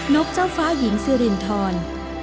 กเจ้าฟ้าหญิงสิรินทร